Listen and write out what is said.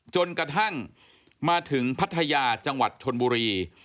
จนกระทั่งมาถึงพัทยาจังหวัดชนบุรี